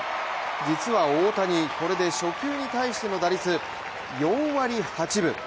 実は大谷、これで初球に対しての打率４割８分。